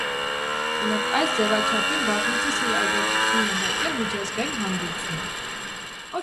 Այս ձևաչափին բազմիցս իր աջակցությունն է հայտնել միջազգային հանրությունը։